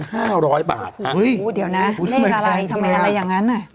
เดี๋ยวนะนี่ราคาทำไมอะไรอย่างนั้น